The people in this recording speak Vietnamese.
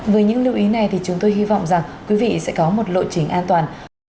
với những lưu ý này thì chúng tôi hy vọng rằng quý vị sẽ có một lộ trình an toàn